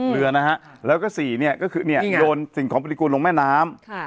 ๔โดนสิ่งของปฏิกูลลงแม่น้ำ